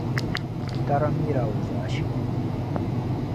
Tarim’ mila o zaashee.